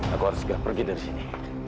aku harus segera pergi dari sini